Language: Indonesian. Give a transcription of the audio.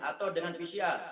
atau dengan pcr